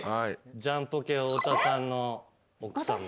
ジャンポケ太田さんの奥さま。